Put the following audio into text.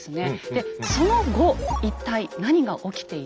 でその後一体何が起きていたのか。